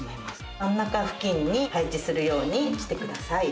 真ん中付近に配置するようにしてください